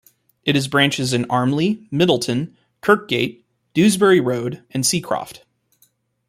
It has branches in Armley, Middleton, Kirkgate, Dewsbury Road and Seacroft.